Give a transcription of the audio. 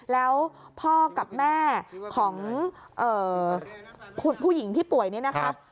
แล้วพ่อกับแม่ของผู้หญิงที่ป่วยนี่นะคะ